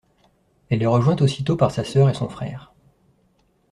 Elle est rejointe aussitôt par sa sœur et son frère.